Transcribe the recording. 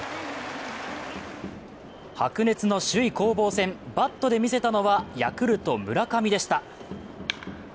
白熱の首位攻防戦、バットで見せたのはヤクルト・村上でした。